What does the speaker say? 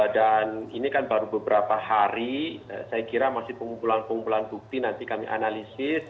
dan ini kan baru beberapa hari saya kira masih pengumpulan pengumpulan bukti nanti kami analisis